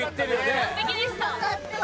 完璧でした。